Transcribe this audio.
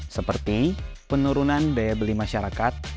seperti penurunan daya beli masyarakat